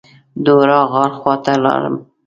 د حرا غار خواته لاړم.